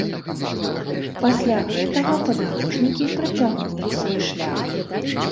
Пасля гэтага падарожнікі працягнулі свой шлях.